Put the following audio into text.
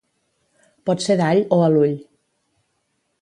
Pot ser d'all o a l'ull.